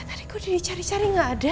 tadi kok dia dicari cari gak ada